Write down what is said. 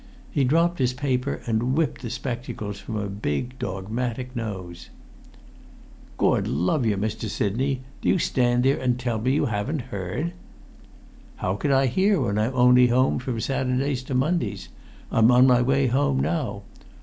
He dropped his paper and whipped the spectacles from a big dogmatic nose. "Gord love yer, Mr. Sidney, do you stand there and tell me you haven't heard?" "How could I hear when I'm only home from Saturdays to Mondays? I'm on my way home now.